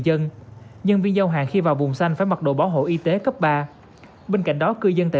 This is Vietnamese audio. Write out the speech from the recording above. dân nhân viên giao hàng khi vào vùng xanh phải mặc đồ bảo hộ y tế cấp ba bên cạnh đó cư dân tây